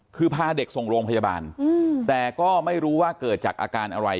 คือพาเด็กส่งโรงพยาบาลแต่ก็ไม่รู้ว่าเกิดจากอาการอะไร